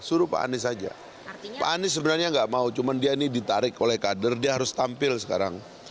suruh pak anies saja pak anies sebenarnya nggak mau cuman dia ini ditarik oleh kader dia harus tampil sekarang